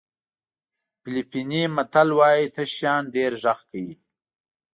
فلیپیني متل وایي تش شیان ډېر غږ کوي.